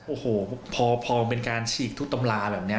โอ้โหพอมันเป็นการฉีกทุกตำราแบบนี้